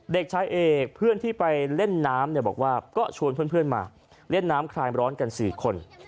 เด็กชายเอกเพื่อนที่ไปเล่นน้ำเนี่ยบอกว่าก็ชวนเพื่อนมาเล่นน้ำคลายร้อนกัน๔คน